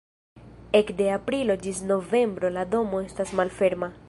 Ekde aprilo ĝis novembro la domo estas malferma.